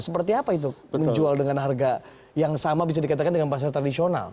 seperti apa itu menjual dengan harga yang sama bisa dikatakan dengan pasar tradisional